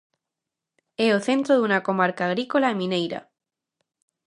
É o centro dunha comarca agrícola e mineira.